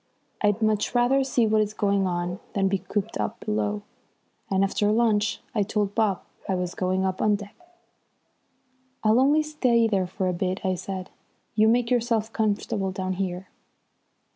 I'd much rather see what is going on than be cooped up below, and after lunch I told Bob I was going up on deck. "I'll only stay there for a bit," I said. "You make yourself comfortable down here."